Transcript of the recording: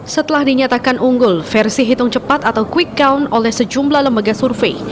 setelah dinyatakan unggul versi hitung cepat atau quick count oleh sejumlah lembaga survei